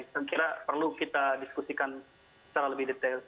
saya kira perlu kita diskusikan secara lebih detail